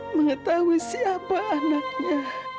mengetahui siapa anaknya